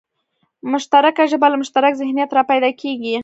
مشترکه ژبه له مشترک ذهنیت راپیدا کېږي